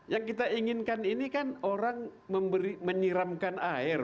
yang kita inginkan ini kan orang menyiramkan air